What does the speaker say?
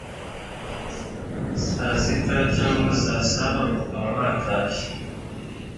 saa sita cyangwa saa saba bakaba batashye